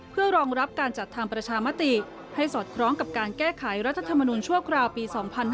เพื่อรองรับการจัดทำประชามติให้สอดคล้องกับการแก้ไขรัฐธรรมนุนชั่วคราวปี๒๕๕๙